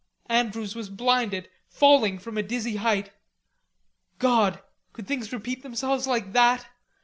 Andrews was blinded, falling from a dizzy height. God, could things repeat themselves like that?